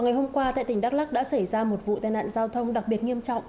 ngày hôm qua tại tỉnh đắk lắc đã xảy ra một vụ tai nạn giao thông đặc biệt nghiêm trọng